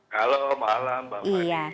halo malam mbak fadi